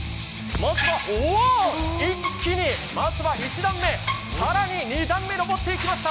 まずは、一気にまずは１段目、更に２段目、上っていきました。